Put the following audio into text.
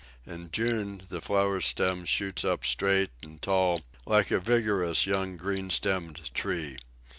In June the flower stem shoots up straight and tall, like a vigorous young green stemmed tree.